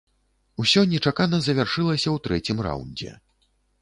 Усё нечакана завяршылася ў трэцім раўндзе.